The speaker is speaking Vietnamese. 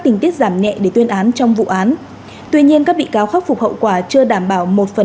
theo đó tòa phúc thẩm tuyên án sơ thẩm đối với các bị cáo còn lại